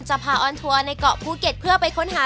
พาออนทัวร์ในเกาะภูเก็ตเพื่อไปค้นหา